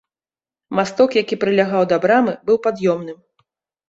Масток, які прылягаў да брамы, быў пад'ёмным.